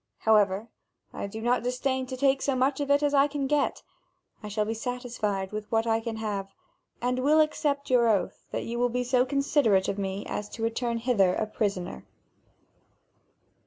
However, I do not disdain to take so much of it as I can get. I shall be satisfied with what I can have, and will accept your oath that you will be so considerate of me as to return hither a prisoner."